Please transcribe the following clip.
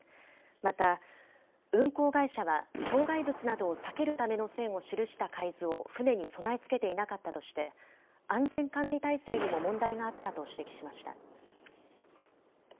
また運航会社は障害物などを避けるための線を記した海図を船に備え付けていなかったとして安全管理体制にも問題があったと指摘しました。